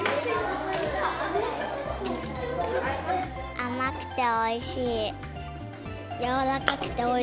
甘くておいしい。